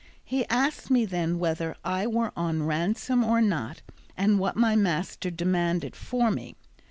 He asked me then whether I were on ransom or not, and what my master demanded for me.